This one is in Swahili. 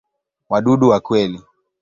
Wadudu wa kweli.